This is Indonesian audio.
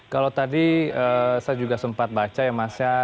kalau tadi saya juga sempat baca ya masnya